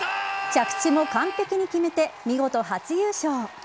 着地も完璧に決めて見事初優勝。